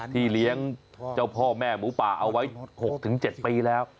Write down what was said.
เลี้ยงเจ้าพ่อแม่หมูป่าเอาไว้๖๗ปีแล้ว